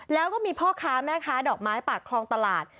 แล้วก็มีพ่อค้าแม่ค้าดอกไม้ปากคลองตลาด